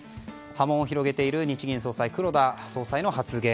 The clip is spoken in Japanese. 波紋を広げている日銀の黒田総裁の発言。